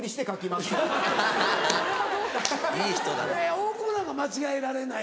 大久保なんか間違えられない？